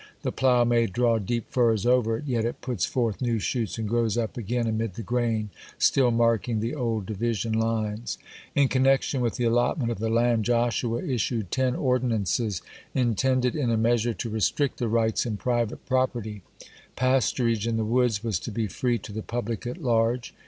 The plough may draw deep furrows over it, yet it puts forth new shoots, and grows up again amid the grain, still marking the old division lines. (49) In connection with the allotment of the land Joshua issued ten ordinances intended, in a measure, to restrict the rights in private property: Pasturage in the woods was to be free to the public at large.